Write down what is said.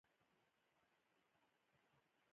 احمد یو دم راته پر زهرو ککړ شو.